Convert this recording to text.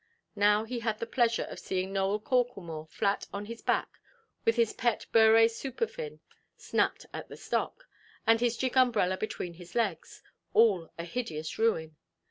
Now he had the pleasure of seeing Nowell Corklemore flat on his back, with his pet Beurré Superfin (snapped at the stock), and the gig–umbrella between his legs, all a hideous ruin.